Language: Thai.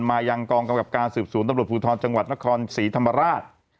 มายังกองกำกับการสืบสวนตำรวจภูทรจังหวัดนครศรีธรรมราช